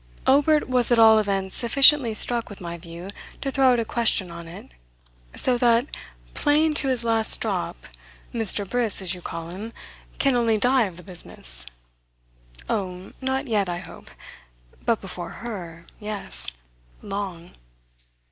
Obert was at all events sufficiently struck with my view to throw out a question on it. "So that, paying to his last drop, Mr. Briss, as you call him, can only die of the business?" "Oh, not yet, I hope. But before her yes: long."